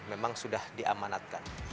memang sudah diamanatkan